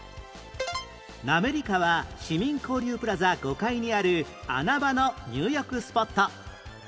滑川市民交流プラザ５階にある穴場の入浴スポット